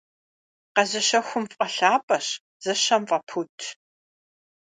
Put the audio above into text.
Къэзыщэхум фӀэлъапӀэщ, зыщэм фӀэпудщ.